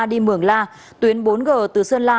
đi mường la tuyến bốn g từ sơn la